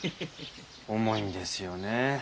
重いんですよねえ。